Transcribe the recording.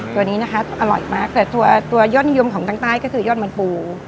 ตัวนี้นะคะอร่อยมากแต่ตัวยอดนิยมของทางใต้ก็คือยอดมันปู